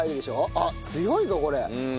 あっ強いぞこれ。